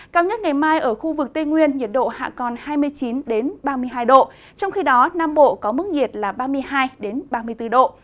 cao nhất ngày mai ở khu vực tây nguyên nhiệt độ hạ còn hai mươi chín ba mươi hai độ trong khi đó nam bộ có mức nhiệt là ba mươi hai ba mươi bốn độ